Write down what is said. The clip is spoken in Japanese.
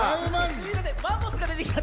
すいませんマンモスがでてきちゃった。